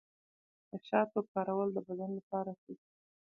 د شاتو کارول د بدن لپاره ښه دي.